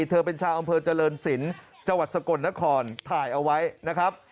เธอเป็นชาวอำเภอเจริญศิลป์จังหวัดสกลนครถ่ายเอาไว้นะครับ